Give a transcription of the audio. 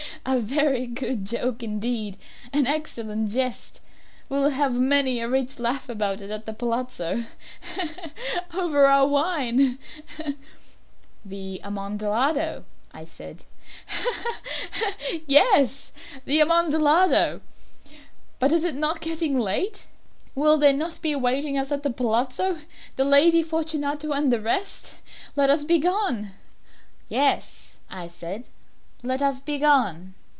he! he! he! a very good joke indeed an excellent jest. We shall have many a rich laugh about it at the palazzo he! he! he! over our wine he! he! he!" "The Amontillado!" I said. "He! he! he! he! he! he! yes, the Amontillado. But is it not getting late? Will not they be awaiting us at the palazzo, the Lady Fortunato and the rest? Let us be gone." "Yes," I said, "let us be gone."